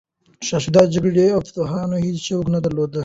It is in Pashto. شاه حسین د جګړې او فتوحاتو هیڅ شوق نه درلود.